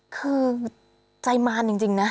คือใจมารจริงนะ